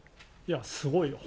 いや、すごい。